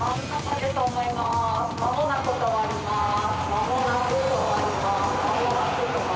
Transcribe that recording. まもなく止まります。